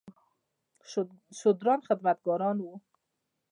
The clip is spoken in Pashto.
شودران خدمتګاران وو.